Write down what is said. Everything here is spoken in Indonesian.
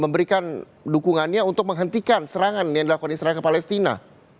memberikan dukungannya untuk menghentikan serangan yang dilakukan israel ke palestina